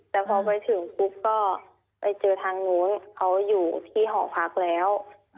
แต่พอไปถึงปุ๊บก็ไปเจอทางนู้นเขาอยู่ที่หอพักแล้ว